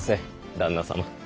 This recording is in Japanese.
旦那様。